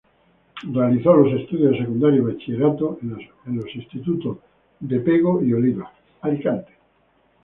Realizó los estudios de Secundaria y Bachillerato en los Institutos de Pego y Oliva.